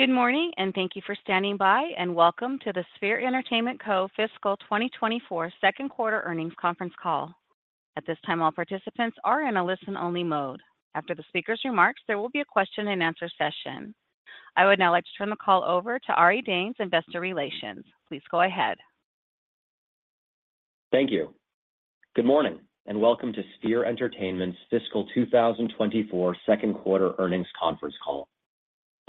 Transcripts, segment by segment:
Good morning, and thank you for standing by, and welcome to the Sphere Entertainment Co. fiscal 2024 second quarter earnings conference call. At this time, all participants are in a listen-only mode. After the speaker's remarks, there will be a question-and-answer session. I would now like to turn the call over to Ari Danes, Investor Relations. Please go ahead. Thank you. Good morning, and welcome to Sphere Entertainment's fiscal 2024 second quarter earnings conference call.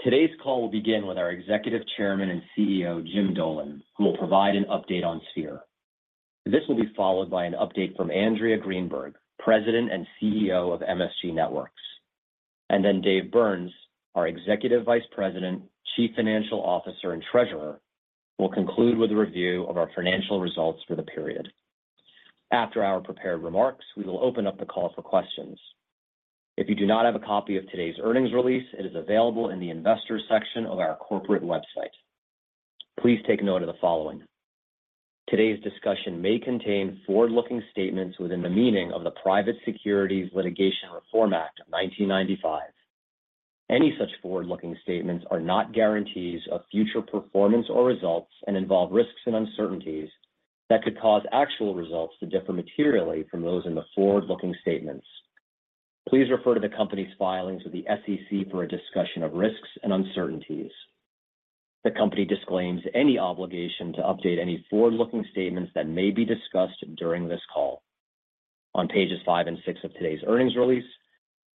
Today's call will begin with our Executive Chairman and CEO, Jim Dolan, who will provide an update on Sphere. This will be followed by an update from Andrea Greenberg, President and CEO of MSG Networks. And then Dave Burns, our Executive Vice President, Chief Financial Officer, and Treasurer, will conclude with a review of our financial results for the period. After our prepared remarks, we will open up the call for questions. If you do not have a copy of today's earnings release, it is available in the Investors section of our corporate website. Please take note of the following: Today's discussion may contain forward-looking statements within the meaning of the Private Securities Litigation Reform Act of 1995. Any such forward-looking statements are not guarantees of future performance or results and involve risks and uncertainties that could cause actual results to differ materially from those in the forward-looking statements. Please refer to the company's filings with the SEC for a discussion of risks and uncertainties. The company disclaims any obligation to update any forward-looking statements that may be discussed during this call. On pages 5 and 6 of today's earnings release,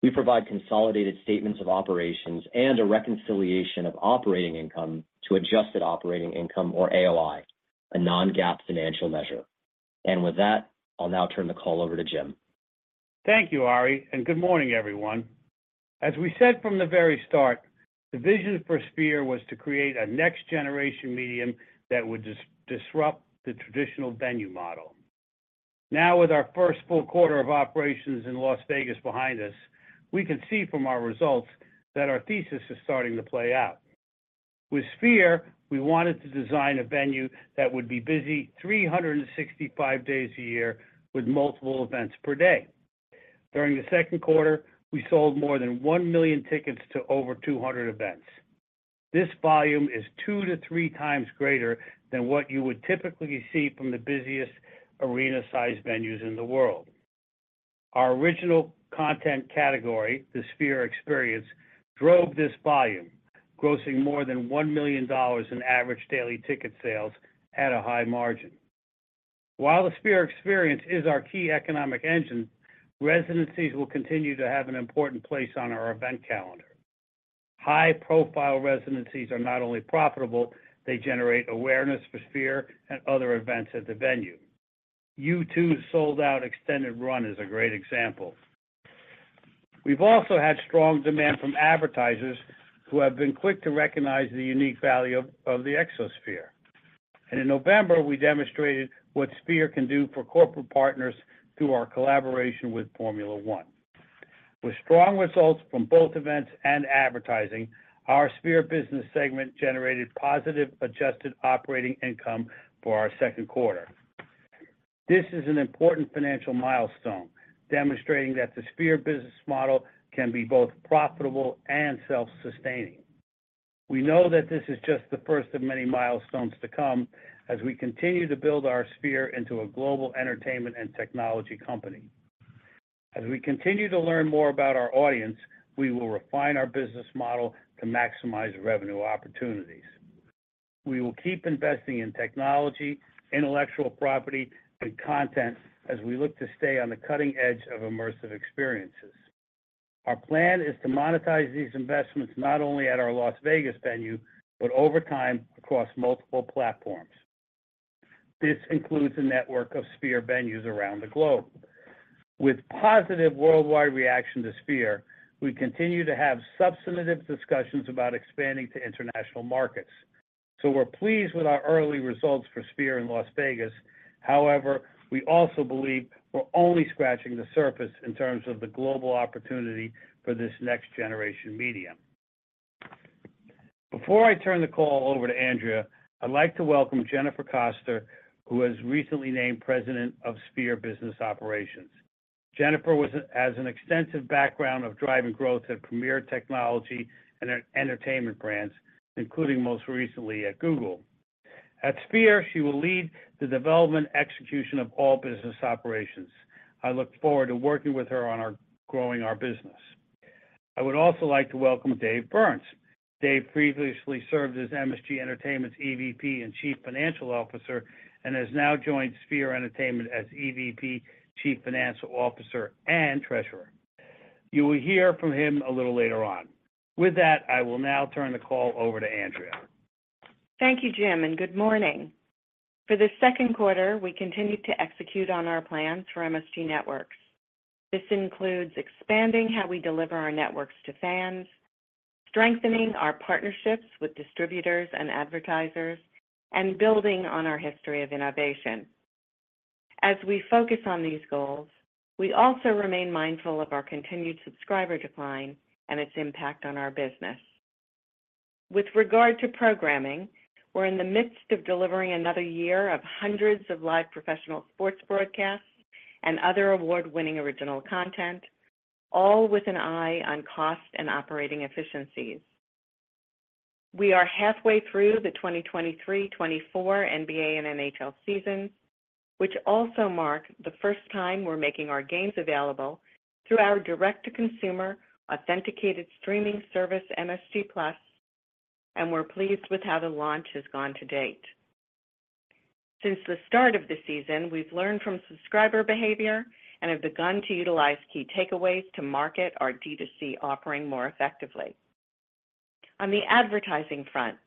we provide consolidated statements of operations and a reconciliation of operating income to adjusted operating income or AOI, a non-GAAP financial measure. With that, I'll now turn the call over to Jim. Thank you, Ari, and good morning, everyone. As we said from the very start, the vision for Sphere was to create a next-generation medium that would disrupt the traditional venue model. Now, with our first full quarter of operations in Las Vegas behind us, we can see from our results that our thesis is starting to play out. With Sphere, we wanted to design a venue that would be busy 365 days a year with multiple events per day. During the second quarter, we sold more than 1 million tickets to over 200 events. This volume is two to three times greater than what you would typically see from the busiest arena-sized venues in the world. Our original content category, the Sphere Experience, drove this volume, grossing more than $1 million in average daily ticket sales at a high margin. While the Sphere Experience is our key economic engine, residencies will continue to have an important place on our event calendar. High-profile residencies are not only profitable, they generate awareness for Sphere and other events at the venue. U2's sold-out extended run is a great example. We've also had strong demand from advertisers, who have been quick to recognize the unique value of the Exosphere. In November, we demonstrated what Sphere can do for corporate partners through our collaboration with Formula One. With strong results from both events and advertising, our Sphere business segment generated positive Adjusted Operating Income for our second quarter. This is an important financial milestone, demonstrating that the Sphere business model can be both profitable and self-sustaining. We know that this is just the first of many milestones to come as we continue to build our Sphere into a global entertainment and technology company. As we continue to learn more about our audience, we will refine our business model to maximize revenue opportunities. We will keep investing in technology, intellectual property, and content as we look to stay on the cutting edge of immersive experiences. Our plan is to monetize these investments not only at our Las Vegas venue, but over time, across multiple platforms. This includes a network of Sphere venues around the globe. With positive worldwide reaction to Sphere, we continue to have substantive discussions about expanding to international markets. So we're pleased with our early results for Sphere in Las Vegas. However, we also believe we're only scratching the surface in terms of the global opportunity for this next-generation medium. Before I turn the call over to Andrea, I'd like to welcome Jennifer Koester, who was recently named President of Sphere Business Operations. Jennifer has an extensive background of driving growth at premier technology and entertainment brands, including most recently at Google. At Sphere, she will lead the development execution of all business operations. I look forward to working with her on growing our business. I would also like to welcome Dave Burns. Dave previously served as MSG Entertainment's EVP and Chief Financial Officer, and has now joined Sphere Entertainment as EVP, Chief Financial Officer, and Treasurer. You will hear from him a little later on. With that, I will now turn the call over to Andrea. Thank you, Jim, and good morning. For the second quarter, we continued to execute on our plans for MSG Networks. This includes expanding how we deliver our networks to fans, strengthening our partnerships with distributors and advertisers, and building on our history of innovation. As we focus on these goals, we also remain mindful of our continued subscriber decline and its impact on our business. With regard to programming, we're in the midst of delivering another year of hundreds of live professional sports broadcasts and other award-winning original content... all with an eye on cost and operating efficiencies. We are halfway through the 2023-2024 NBA and NHL season, which also mark the first time we're making our games available through our direct-to-consumer authenticated streaming service, MSG+, and we're pleased with how the launch has gone to date. Since the start of the season, we've learned from subscriber behavior and have begun to utilize key takeaways to market our D2C offering more effectively. On the advertising front,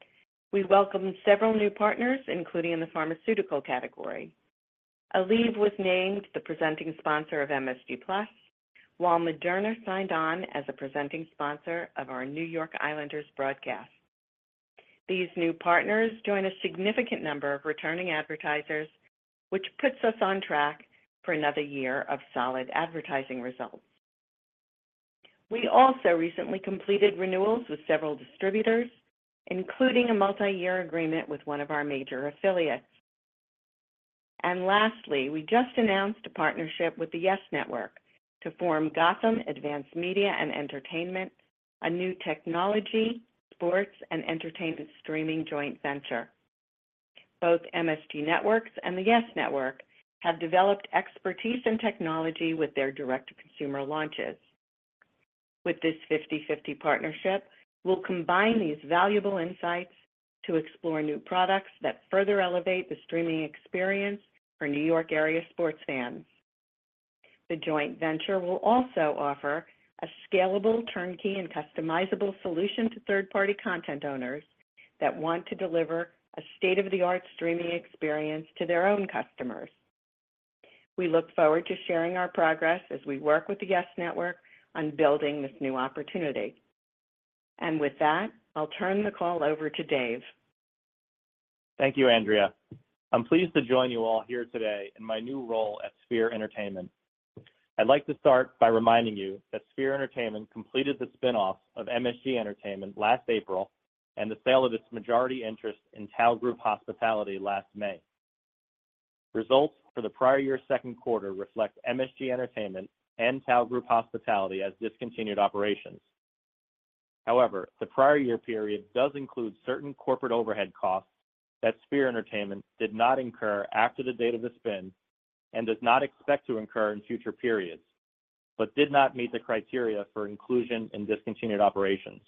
we welcomed several new partners, including in the pharmaceutical category. Aleve was named the presenting sponsor of MSG+, while Moderna signed on as a presenting sponsor of our New York Islanders broadcasts. These new partners join a significant number of returning advertisers, which puts us on track for another year of solid advertising results. We also recently completed renewals with several distributors, including a multi-year agreement with one of our major affiliates. Lastly, we just announced a partnership with the YES Network to form Gotham Advanced Media and Entertainment, a new technology, sports, and entertainment streaming joint venture. Both MSG Networks and the YES Network have developed expertise in technology with their direct-to-consumer launches. With this 50/50 partnership, we'll combine these valuable insights to explore new products that further elevate the streaming experience for New York area sports fans. The joint venture will also offer a scalable, turnkey, and customizable solution to third-party content owners that want to deliver a state-of-the-art streaming experience to their own customers. We look forward to sharing our progress as we work with the YES Network on building this new opportunity. With that, I'll turn the call over to Dave. Thank you, Andrea. I'm pleased to join you all here today in my new role at Sphere Entertainment. I'd like to start by reminding you that Sphere Entertainment completed the spin-off of MSG Entertainment last April, and the sale of its majority interest in TAO Group Hospitality last May. Results for the prior year's second quarter reflect MSG Entertainment and TAO Group Hospitality as discontinued operations. However, the prior year period does include certain corporate overhead costs that Sphere Entertainment did not incur after the date of the spin and does not expect to incur in future periods, but did not meet the criteria for inclusion in discontinued operations.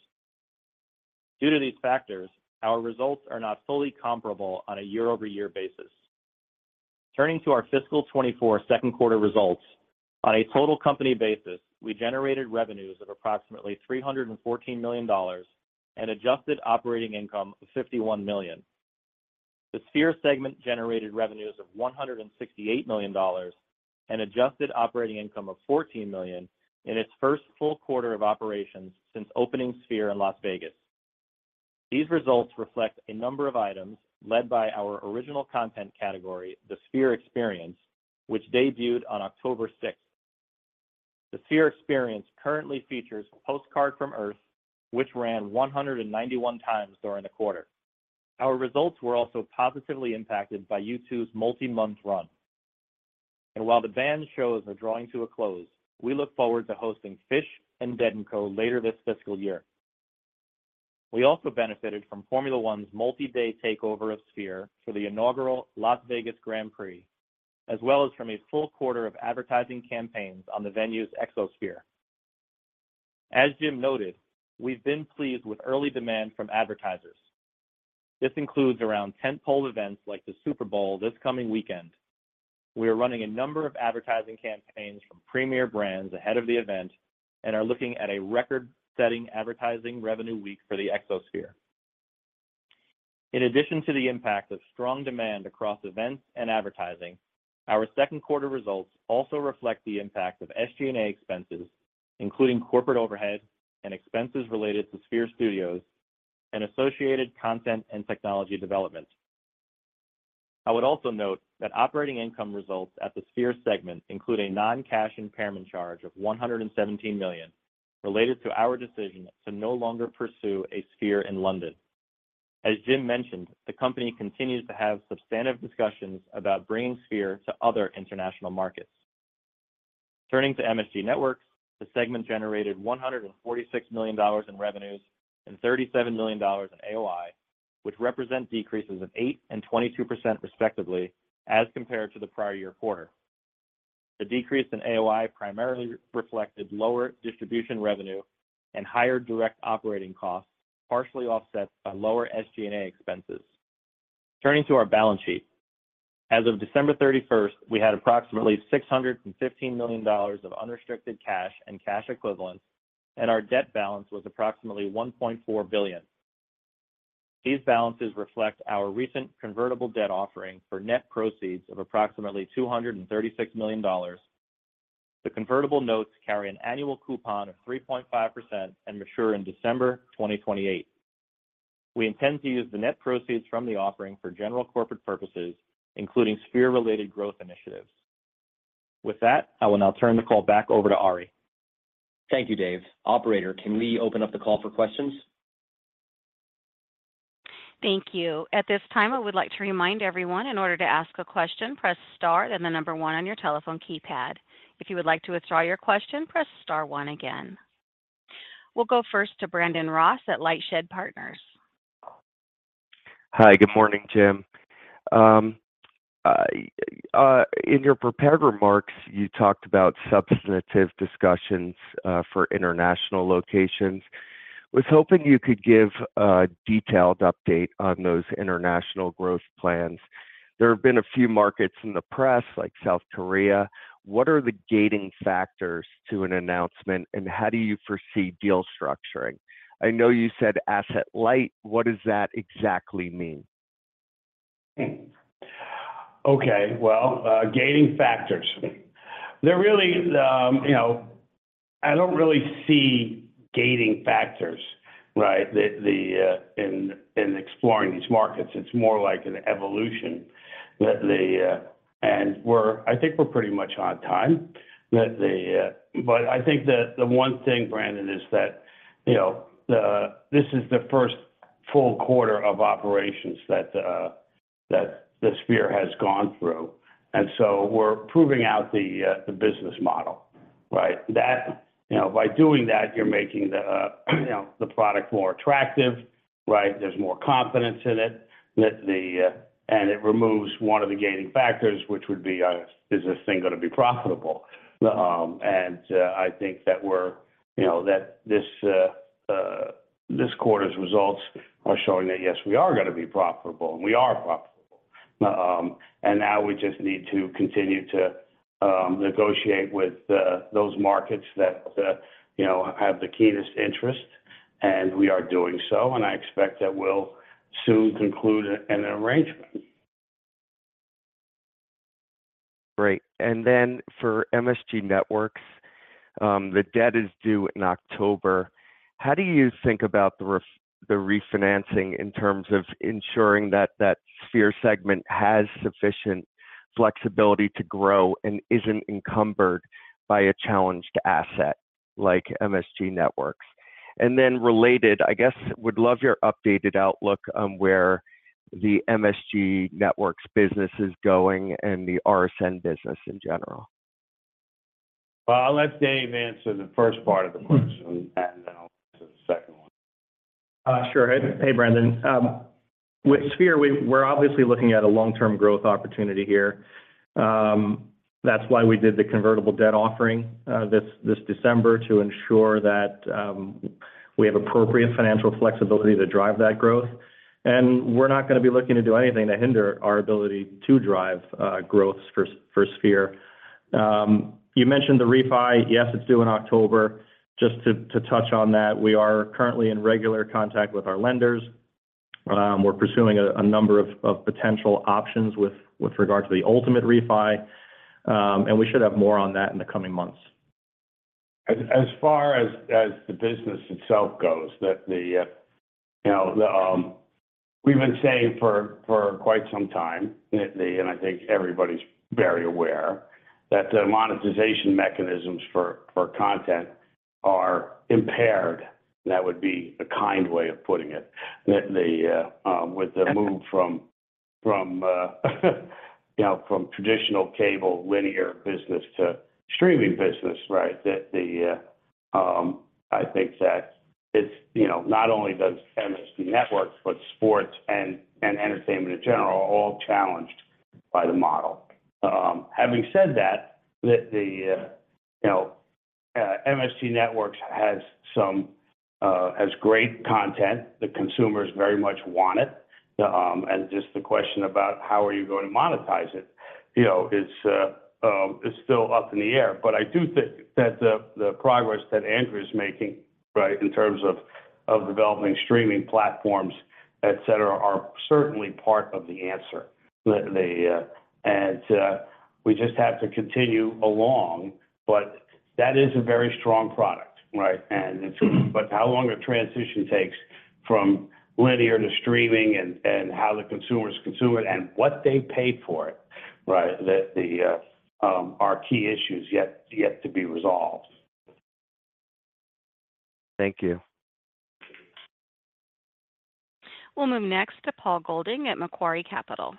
Due to these factors, our results are not fully comparable on a year-over-year basis. Turning to our fiscal 2024 second quarter results, on a total company basis, we generated revenues of approximately $314 million and adjusted operating income of $51 million. The Sphere segment generated revenues of $168 million and adjusted operating income of $14 million in its first full quarter of operations since opening Sphere in Las Vegas. These results reflect a number of items led by our original content category, the Sphere Experience, which debuted on October 6. The Sphere Experience currently features Postcard from Earth, which ran 191 times during the quarter. Our results were also positively impacted by U2's multi-month run. And while the band's shows are drawing to a close, we look forward to hosting Phish and Dead & Co. later this fiscal year. We also benefited from Formula 1's multi-day takeover of Sphere for the inaugural Las Vegas Grand Prix, as well as from a full quarter of advertising campaigns on the venue's Exosphere. As Jim noted, we've been pleased with early demand from advertisers. This includes around tentpole events like the Super Bowl this coming weekend. We are running a number of advertising campaigns from premier brands ahead of the event and are looking at a record-setting advertising revenue week for the Exosphere. In addition to the impact of strong demand across events and advertising, our second quarter results also reflect the impact of SG&A expenses, including corporate overhead and expenses related to Sphere Studios and associated content and technology development. I would also note that operating income results at the Sphere segment include a non-cash impairment charge of $117 million, related to our decision to no longer pursue a Sphere in London. As Jim mentioned, the company continues to have substantive discussions about bringing Sphere to other international markets. Turning to MSG Networks, the segment generated $146 million in revenues and $37 million in AOI, which represent decreases of 8% and 22%, respectively, as compared to the prior year quarter. The decrease in AOI primarily reflected lower distribution revenue and higher direct operating costs, partially offset by lower SG&A expenses. Turning to our balance sheet. As of December 31, we had approximately $615 million of unrestricted cash and cash equivalents, and our debt balance was approximately $1.4 billion. These balances reflect our recent convertible debt offering for net proceeds of approximately $236 million. The convertible notes carry an annual coupon of 3.5% and mature in December 2028. We intend to use the net proceeds from the offering for general corporate purposes, including Sphere-related growth initiatives. With that, I will now turn the call back over to Ari. Thank you, Dave. Operator, can we open up the call for questions?... Thank you. At this time, I would like to remind everyone, in order to ask a question, press star, then the number one on your telephone keypad. If you would like to withdraw your question, press star one again. We'll go first to Brandon Ross at Lightshed Partners. Hi, good morning, Jim. In your prepared remarks, you talked about substantive discussions for international locations. I was hoping you could give a detailed update on those international growth plans. There have been a few markets in the press, like South Korea. What are the gating factors to an announcement, and how do you foresee deal structuring? I know you said asset light. What does that exactly mean? Okay. Well, gating factors. They're really, you know, I don't really see gating factors, right, in exploring these markets. It's more like an evolution, and we're, I think we're pretty much on time. But I think that the one thing, Brandon, is that, you know, this is the first full quarter of operations that the Sphere has gone through, and so we're proving out the business model, right? You know, by doing that, you're making the product more attractive, right? There's more confidence in it, and it removes one of the gating factors, which would be, is this thing gonna be profitable? And I think that we're, you know, this quarter's results are showing that, yes, we are gonna be profitable, and we are profitable. And now we just need to continue to negotiate with those markets that, you know, have the keenest interest, and we are doing so, and I expect that we'll soon conclude an arrangement. Great. And then for MSG Networks, the debt is due in October. How do you think about the refinancing in terms of ensuring that that Sphere segment has sufficient flexibility to grow and isn't encumbered by a challenged asset like MSG Networks? And then related, I guess, would love your updated outlook on where the MSG Networks business is going and the RSN business in general. Well, I'll let Dave answer the first part of the question, and I'll answer the second one. Sure. Hey, Brandon. With Sphere, we're obviously looking at a long-term growth opportunity here. That's why we did the convertible debt offering this December to ensure that we have appropriate financial flexibility to drive that growth. And we're not gonna be looking to do anything to hinder our ability to drive growth for Sphere. You mentioned the refi. Yes, it's due in October. Just to touch on that, we are currently in regular contact with our lenders. We're pursuing a number of potential options with regard to the ultimate refi, and we should have more on that in the coming months. As far as the business itself goes, you know, we've been saying for quite some time that, and I think everybody's very aware, that the monetization mechanisms for content are impaired. That would be a kind way of putting it. With the move from traditional cable linear business to streaming business, right? I think that it's, you know, not only does MSG Networks, but sports and entertainment in general are all challenged by the model. Having said that, MSG Networks has great content. The consumers very much want it. And just the question about how are you going to monetize it, you know, is still up in the air. But I do think that the progress that Andrea is making, right, in terms of developing streaming platforms, et cetera, are certainly part of the answer. That the and we just have to continue along, but that is a very strong product, right? And, but how long the transition takes from linear to streaming and how the consumers consume it and what they pay for it, right? That the are key issues yet to be resolved. Thank you. We'll move next to Paul Golding at Macquarie Capital.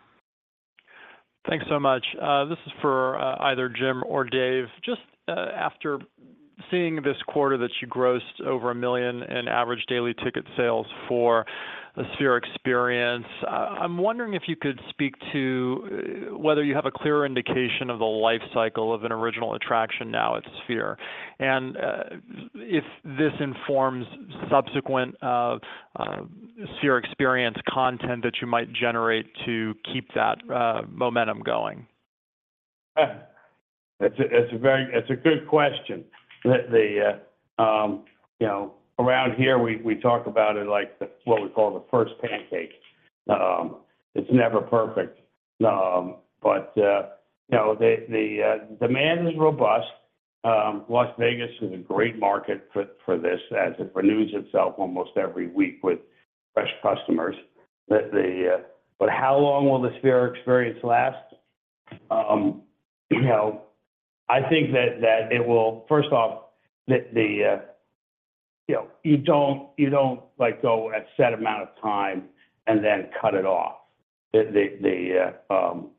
Thanks so much. This is for either Jim or Dave. Just after seeing this quarter that you grossed over $1 million in average daily ticket sales for the Sphere Experience, I'm wondering if you could speak to whether you have a clear indication of the life cycle of an original attraction now at Sphere. And if this informs subsequent Sphere Experience content that you might generate to keep that momentum going. It's a good question. You know, around here, we talk about it like what we call the first pancake. It's never perfect. But you know, the demand is robust. Las Vegas is a great market for this as it renews itself almost every week with fresh customers. But how long will the Sphere Experience last? You know, I think that it will, first off, you know, you don't like go a set amount of time and then cut it off. You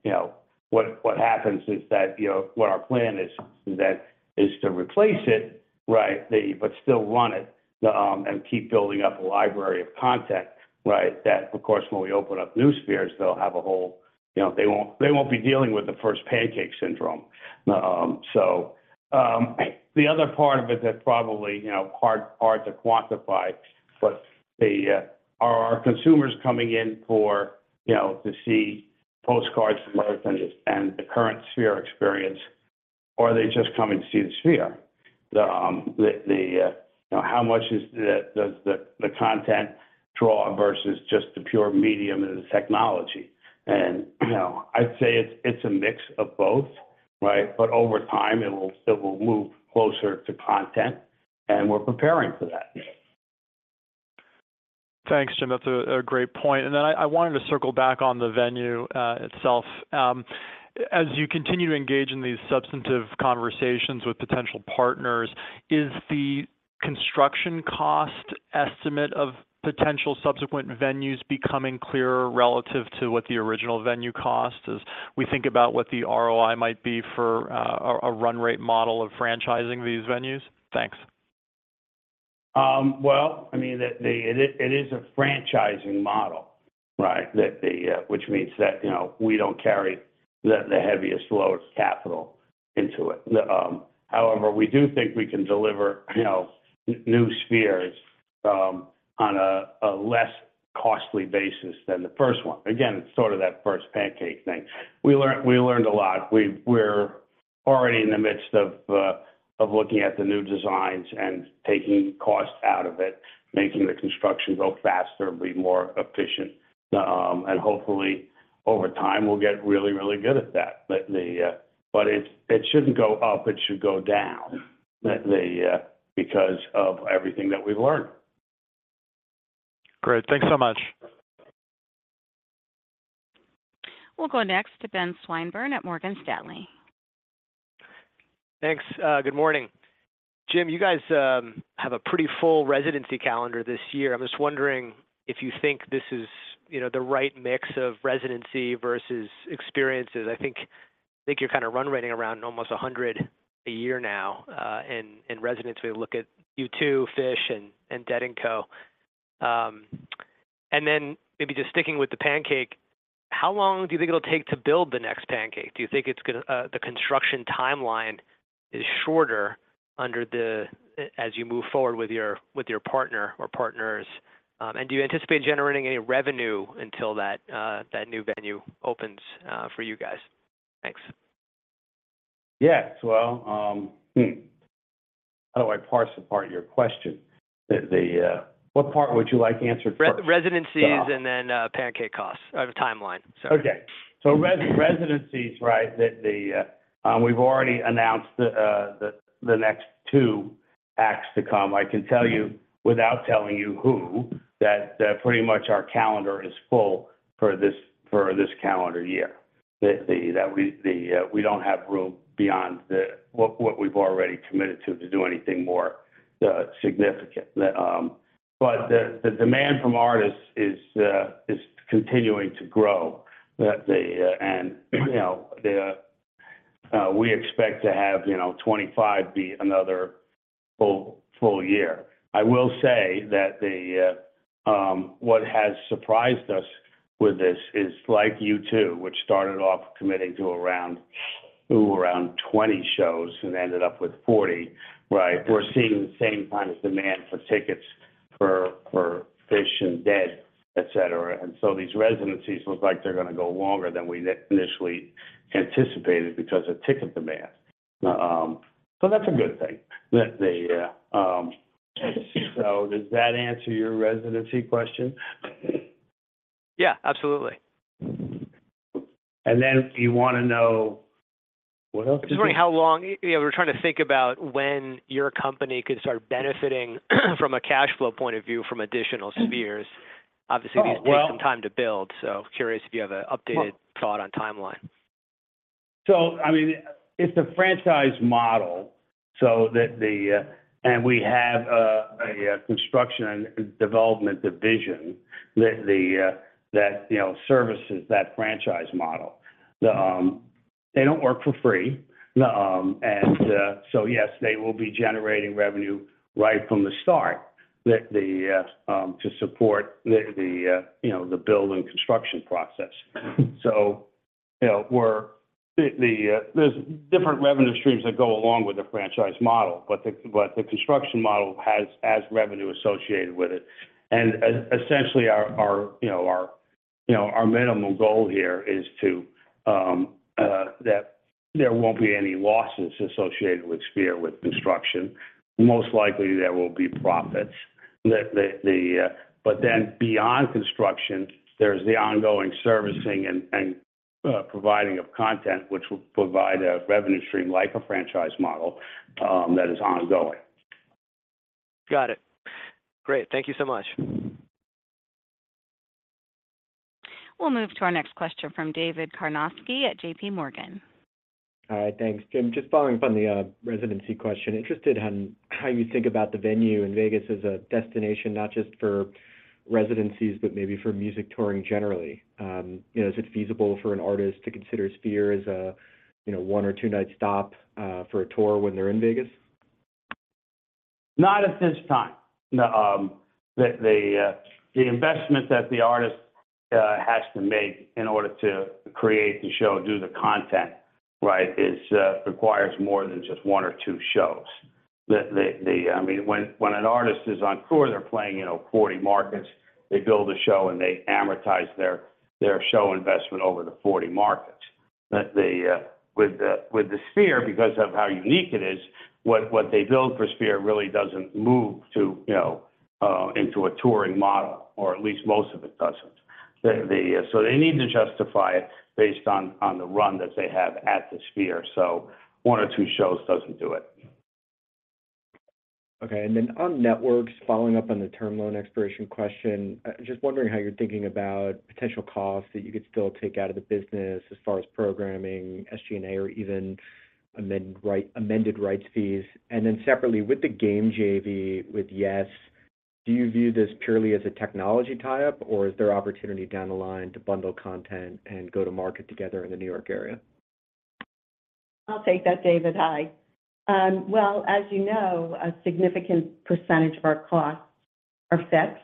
know, what happens is that, you know, what our plan is is to replace it, right? But still run it and keep building up a library of content, right? That, of course, when we open up new Spheres, they'll have a whole... You know, they won't, they won't be dealing with the first pancake syndrome. So, the other part of it that's probably, you know, hard, hard to quantify, but are our consumers coming in for, you know, to see Postcards from Earth and the current Sphere Experience, or are they just coming to see the Sphere? You know, how much is the content draw versus just the pure medium and the technology? And, you know, I'd say it's a mix of both, right? But over time, it will still move closer to content, and we're preparing for that. Thanks, Jim. That's a great point. And then I wanted to circle back on the venue itself. As you continue to engage in these substantive conversations with potential partners, is the construction cost estimate of potential subsequent venues becoming clearer relative to what the original venue cost as we think about what the ROI might be for a run rate model of franchising these venues? Thanks. Well, I mean, it is a franchising model, right? Which means that, you know, we don't carry the heaviest load capital into it. However, we do think we can deliver, you know, new Spheres on a less costly basis than the first one. Again, it's sort of that first pancake thing. We learned a lot. We're already in the midst of looking at the new designs and taking costs out of it, making the construction go faster and be more efficient. And hopefully, over time, we'll get really, really good at that. But it shouldn't go up, it should go down because of everything that we've learned. Great. Thanks so much. We'll go next to Ben Swinburne at Morgan Stanley. Thanks. Good morning. Jim, you guys have a pretty full residency calendar this year. I'm just wondering if you think this is, you know, the right mix of residency versus experiences. I think, I think you're kind of run rating around almost 100 a year now, in residency. We look at U2, Phish, and Dead & Co. And then maybe just sticking with the Sphere, how long do you think it'll take to build the next Sphere? Do you think the construction timeline is shorter under the as you move forward with your with your partner or partners? And do you anticipate generating any revenue until that that new venue opens for you guys? Thanks. Yes. Well. How do I parse apart your question? The what part would you like answered first? Re- residencies- Uh.. and then, pancake costs or the timeline. Sorry. Okay. So residencies, right? That we've already announced the next two acts to come. I can tell you, without telling you who, that pretty much our calendar is full for this calendar year. That we don't have room beyond what we've already committed to do anything more significant. But the demand from artists is continuing to grow. And, you know, we expect to have, you know, 25 be another full year. I will say that what has surprised us with this is like U2, which started off committing to around 20 shows and ended up with 40, right? We're seeing the same kind of demand for tickets for Phish and Dead, et cetera. And so these residencies looks like they're gonna go longer than we initially anticipated because of ticket demand. So that's a good thing. So does that answer your residency question? Yeah, absolutely. And then you wanna know, what else did you- Just wondering how long... You know, we're trying to think about when your company could start benefiting from a cash flow point of view from additional spheres? Well- Obviously, these take some time to build, so curious if you have an updated thought on timeline. So I mean, it's a franchise model, and we have a construction and development division that you know services that franchise model. They don't work for free. And so yes, they will be generating revenue right from the start to support the you know the build and construction process. So you know there's different revenue streams that go along with the franchise model, but the construction model has revenue associated with it. And essentially our you know our minimum goal here is that there won't be any losses associated with Sphere with construction. Most likely, there will be profits. But then beyond construction, there's the ongoing servicing and providing of content, which will provide a revenue stream, like a franchise model, that is ongoing. Got it. Great. Thank you so much. ... We'll move to our next question from David Karnovsky at JPMorgan. Hi, thanks. Jim, just following up on the residency question. Interested on how you think about the venue in Vegas as a destination, not just for residencies, but maybe for music touring generally. You know, is it feasible for an artist to consider Sphere as a, you know, one or two-night stop for a tour when they're in Vegas? Not at this time. The investment that the artist has to make in order to create the show, do the content, right, is requires more than just one or two shows. The, I mean, when an artist is on tour, they're playing, you know, 40 markets. They build a show, and they amortize their, their show investment over the 40 markets. With the Sphere, because of how unique it is, what they build for Sphere really doesn't move to, you know, into a touring model, or at least most of it doesn't. So they need to justify it based on the run that they have at the Sphere, so one or two shows doesn't do it. Okay. And then on networks, following up on the term loan expiration question, just wondering how you're thinking about potential costs that you could still take out of the business as far as programming, SG&A, or even amended rights fees. And then separately, with the Gotham JV with YES, do you view this purely as a technology tie-up, or is there opportunity down the line to bundle content and go to market together in the New York area? I'll take that, David. Hi. Well, as you know, a significant percentage of our costs are fixed.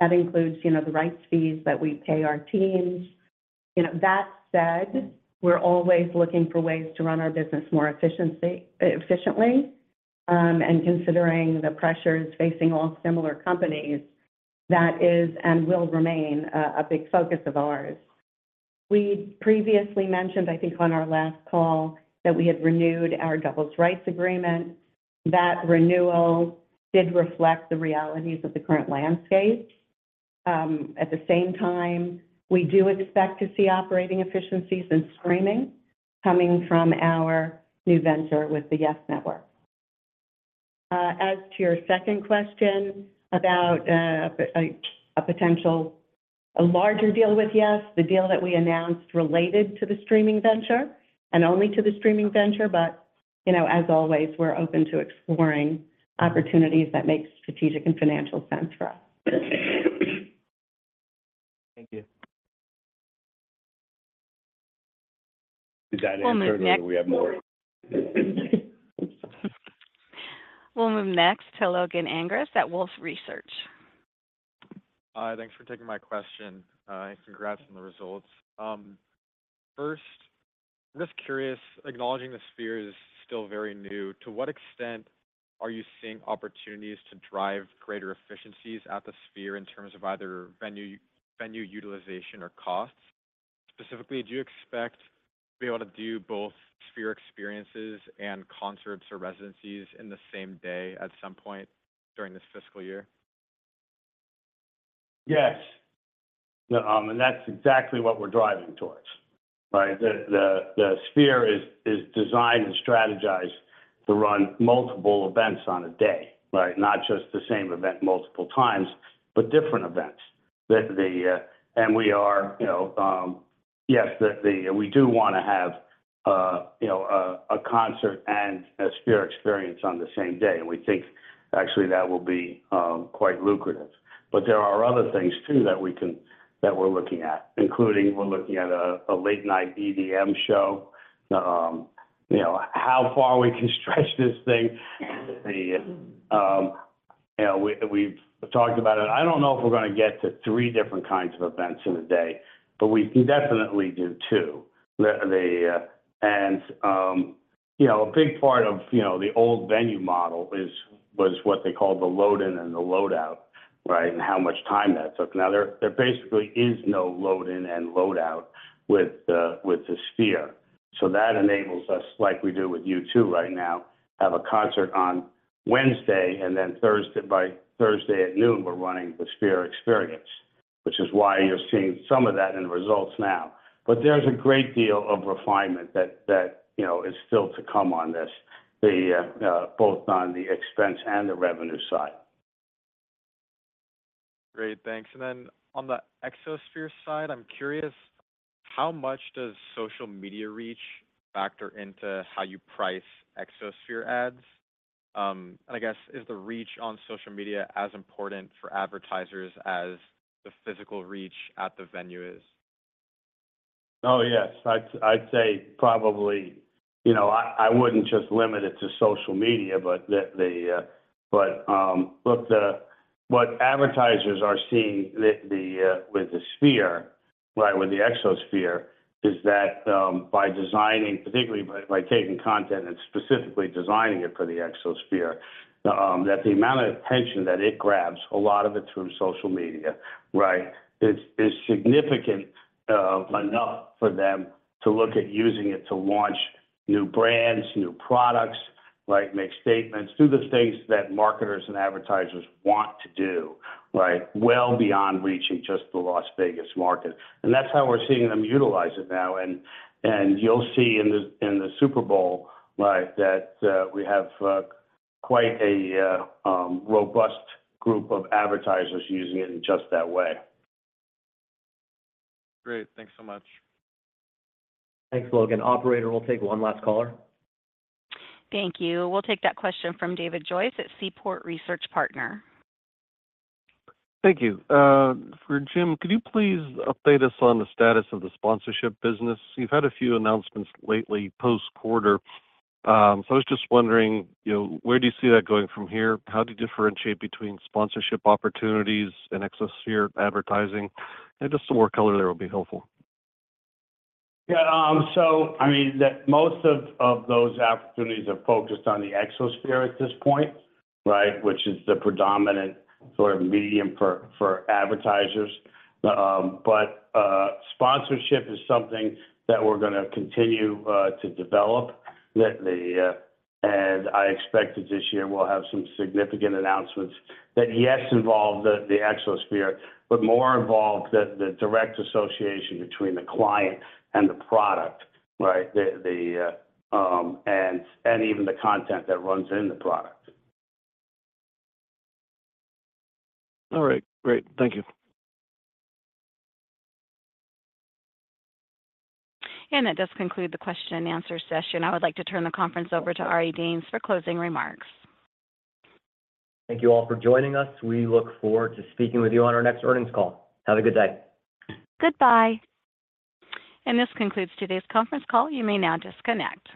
That includes, you know, the rights fees that we pay our teams. You know, that said, we're always looking for ways to run our business more efficiently. And considering the pressures facing all similar companies, that is and will remain a big focus of ours. We previously mentioned, I think on our last call, that we had renewed our doubles rights agreement. That renewal did reflect the realities of the current landscape. At the same time, we do expect to see operating efficiencies in streaming coming from our new venture with the YES Network. As to your second question about a potential larger deal with YES, the deal that we announced related to the streaming venture and only to the streaming venture, but, you know, as always, we're open to exploring opportunities that make strategic and financial sense for us. Thank you. Did that answer or do we have more? We'll move next to Logan Angress at Wolfe Research. Hi, thanks for taking my question. Congrats on the results. First, I'm just curious, acknowledging the Sphere is still very new, to what extent are you seeing opportunities to drive greater efficiencies at the Sphere in terms of either venue, venue utilization or costs? Specifically, do you expect to be able to do both Sphere Experiences and concerts or residencies in the same day at some point during this fiscal year? Yes. And that's exactly what we're driving towards, right? The Sphere is designed and strategized to run multiple events on a day, right? Not just the same event multiple times, but different events. And we are, you know, yes, we do wanna have, you know, a concert and a Sphere Experience on the same day, and we think actually that will be quite lucrative. But there are other things too, that we can, that we're looking at, including we're looking at a late-night EDM show. You know, how far we can stretch this thing? You know, we've talked about it. I don't know if we're gonna get to three different kinds of events in a day, but we can definitely do two. You know, a big part of, you know, the old venue model is, was what they call the load in and the loadout, right? And how much time that took. Now, there basically is no load in and loadout with the Sphere. So that enables us, like we do with U2 right now, have a concert on Wednesday, and then Thursday, by Thursday at noon, we're running the Sphere Experience, which is why you're seeing some of that in the results now. But there's a great deal of refinement that you know is still to come on this both on the expense and the revenue side. Great, thanks. And then on the Exosphere side, I'm curious, how much does social media reach factor into how you price Exosphere ads? And I guess, is the reach on social media as important for advertisers as the physical reach at the venue is? Oh, yes. I'd say probably... You know, I wouldn't just limit it to social media, but look, what advertisers are seeing, with the Sphere, right, with the Exosphere, is that by designing, particularly by taking content and specifically designing it for the Exosphere, that the amount of attention that it grabs, a lot of it's from social media, right? It's significant enough for them to look at using it to launch new brands, new products, like, make statements. Do the things that marketers and advertisers want to do, right? Well beyond reaching just the Las Vegas market. And that's how we're seeing them utilize it now. You'll see in the Super Bowl, right, that we have quite a robust group of advertisers using it in just that way. Great. Thanks so much. Thanks, Logan. Operator, we'll take one last caller. Thank you. We'll take that question from David Joyce at Seaport Research Partners. Thank you. For Jim, could you please update us on the status of the sponsorship business? You've had a few announcements lately, post-quarter. I was just wondering, you know, where do you see that going from here? How do you differentiate between sponsorship opportunities and Exosphere advertising? And just some more color there will be helpful. Yeah, I mean, most of those opportunities are focused on the Exosphere at this point, right? Which is the predominant sort of medium for advertisers. But sponsorship is something that we're gonna continue to develop. I expect that this year we'll have some significant announcements that, yes, involve the Exosphere, but more involve the direct association between the client and the product, right? And even the content that runs in the product. All right, great. Thank you. That does conclude the question and answer session. I would like to turn the conference over to Ari Danes for closing remarks. Thank you all for joining us. We look forward to speaking with you on our next earnings call. Have a good day. Goodbye. And this concludes today's conference call. You may now disconnect.